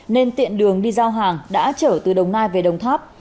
nên tiện đường đi giao hàng đã trở từ đồng nai về đồng tháp